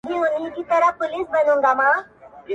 لوستونکي پرې ژور فکر کوي تل,